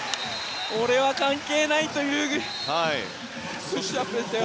俺は関係ないというプッシュアップですね。